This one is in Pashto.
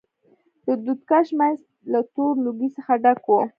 د دود کش منځ له تور لوګي څخه ډک و.